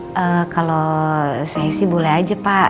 kalau saya sih boleh aja pak